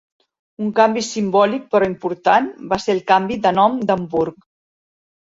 Un canvi simbòlic però important va ser el canvi de nom d'Hamburg.